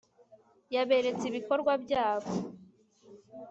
yaberetse ibikorwa byabo